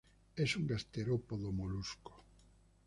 Es un gasterópodo molusco.